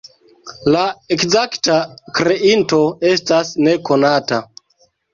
La ekzakta kreinto estas nekonata.